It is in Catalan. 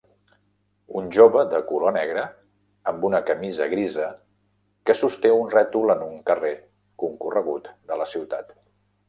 Un jove de color negre, amb una camisa grisa, que sosté un rètol en un carrer concorregut de la ciutat.